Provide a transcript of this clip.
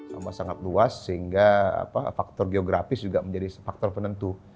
sama sangat luas sehingga faktor geografis juga menjadi faktor penentu